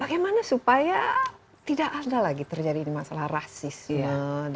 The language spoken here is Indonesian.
bagaimana supaya tidak ada lagi terjadi masalah rasisme